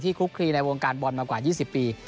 คลุกคลีในวงการบอลมากว่า๒๐ปี